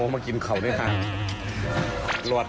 มึงจะได้กับรอด